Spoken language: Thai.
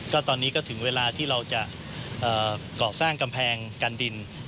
ก็ตอนนี้ก็ถึงเวลาที่เราจะก่อสร้างกำแพงกันดิน